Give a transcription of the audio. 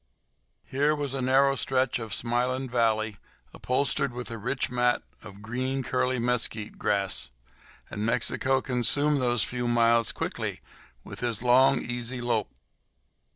Here was a narrow stretch of smiling valley, upholstered with a rich mat of green, curly mesquite grass; and Mexico consumed those few miles quickly with his long, easy lope.